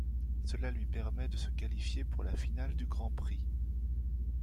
Cela lui permet de se qualifier pour la Finale du Grand Prix.